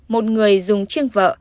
một người dùng chiêng vợ